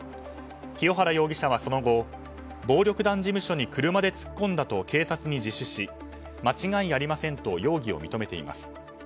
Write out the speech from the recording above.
清原容疑者はその後暴力団事務所に車で突っ込んだと警察に自首し間違いありませんと容疑を認めています。